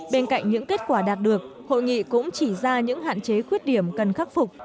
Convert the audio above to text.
bên cạnh những kết quả đạt được hội nghị cũng chỉ ra những hạn chế khuyết điểm cần khắc phục